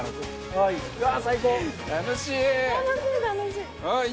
はい。